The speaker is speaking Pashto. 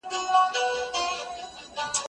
زه مخکي کتابونه وړلي وو؟!